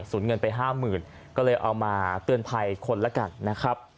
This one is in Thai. สูญเงินไป๕๐๐๐๐ก็เลยเอามาเตือนไพรคนละกันนะครับ